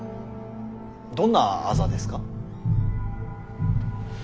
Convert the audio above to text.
どんな痣ですか？